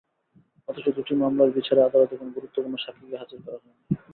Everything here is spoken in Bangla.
অথচ দুটি মামলার বিচারে আদালতে কোনো গুরুত্বপূর্ণ সাক্ষীকেই হাজির করা হয়নি।